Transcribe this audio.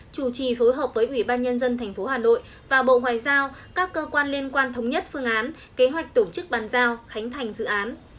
chủ trì phối hợp với ủy ban nhân dân tp hà nội và bộ ngoại giao các cơ quan liên quan thống nhất phương án kế hoạch tổ chức bàn giao khánh thành dự án